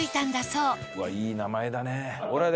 うわっいい名前だね。